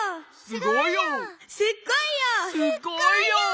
すっごいよ！